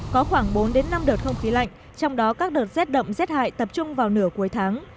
có khoảng bốn năm đợt không khí lạnh trong đó các đợt rét đậm rét hại tập trung vào nửa cuối tháng